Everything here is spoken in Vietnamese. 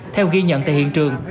theo ghi nhận tại hiện trường